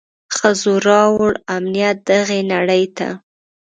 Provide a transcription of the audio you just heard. ښځو راووړ امنيت دغي نړۍ ته.